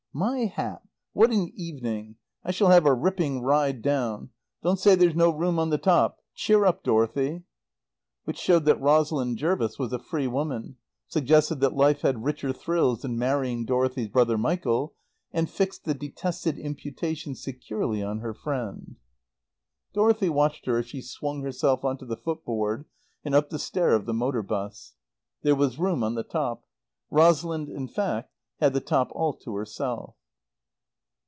"My hat! What an evening! I shall have a ripping ride down. Don't say there's no room on the top. Cheer up, Dorothy!" Which showed that Rosalind Jervis was a free woman, suggested that life had richer thrills than marrying Dorothy's brother Michael, and fixed the detested imputation securely on her friend. Dorothy watched her as she swung herself on to the footboard and up the stair of the motor bus. There was room on the top. Rosalind, in fact, had the top all to herself.